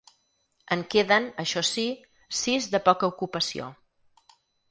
En queden, això sí, sis de poca ocupació.